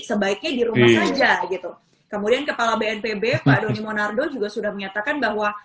sebaiknya di rumah saja gitu kemudian kepala bnpb pak doni monardo juga sudah menyatakan bahwa